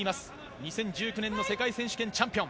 ２０１９年の世界選手権チャンピオン。